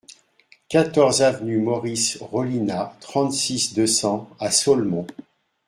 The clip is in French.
quatorze avenue Maurice Rollinat, trente-six, deux cents à Ceaulmont